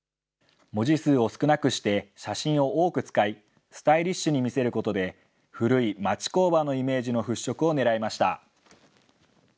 文字数を少なくして、写真を多く使い、スタイリッシュに見せることで、古い町工場のイメージの払拭をねらいました。